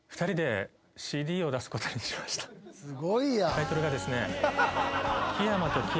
タイトルがですね。